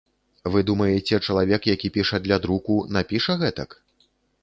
Вы думаеце, чалавек, які піша для друку, напіша гэтак?